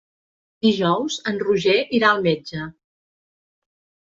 Dijous en Roger irà al metge.